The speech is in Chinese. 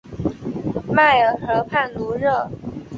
迈尔河畔卢热。